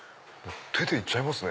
手で行っちゃいますね。